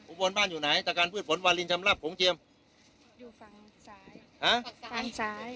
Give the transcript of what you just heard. บนบ้านอยู่ไหนตะการพืชฝนวาลินชำรับโขงเจียมอยู่ฝั่งซ้ายฮะฝั่งซ้าย